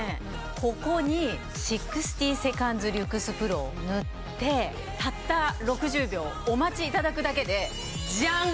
ここに６０セカンズリュクスプロを塗ってたった６０秒お待ちいただくだけでじゃん！